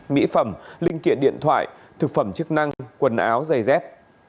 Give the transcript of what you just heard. mỹ phẩm linh kiện điện thoại thực phẩm chức năng quần áo giày dép